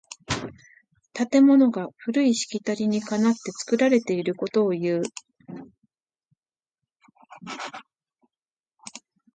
建物が古いしきたりにかなって作られていることをいう。